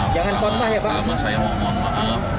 pertama tama saya mau mohon maaf